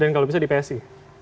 dan kalau bisa di psi